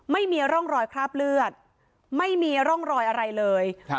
ไม่มีร่องรอยคราบเลือดไม่มีร่องรอยอะไรเลยครับ